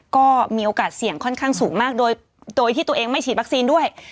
ก็มีโอกาสเสี่ยงค่อนข้างสูงมากโดยที่ตัวเองไม่ฉีดวัคซีนด้วย